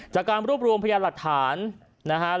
จากการรวบรวมพยานหลักฐานนะครับ